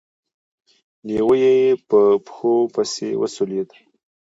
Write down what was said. لېوه يې په پښو پسې وسولېد.